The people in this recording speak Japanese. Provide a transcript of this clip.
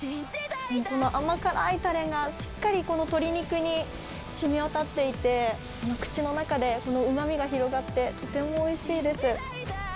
この甘辛いたれがしっかり鶏肉にしみわたっていて、口の中でこのうまみが広がって、とてもおいしいです。